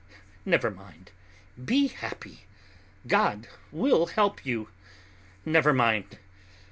Never mind.... Be happy.... God will help you.... Never mind....